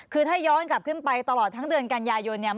คือถ้าย้อนกลับขึ้นไปตลอดทั้งเดือนกันยายนเนี่ย